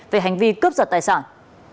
về hành vi cướp giật tài sản